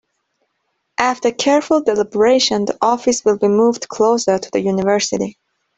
After careful deliberation, the office will be moved closer to the University.